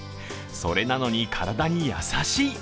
それなのに体に優しい。